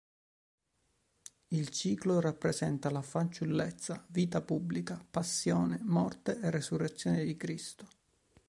Il ciclo rappresenta la "Fanciullezza", "Vita pubblica", "Passione", "Morte" e "Resurrezione" di Cristo.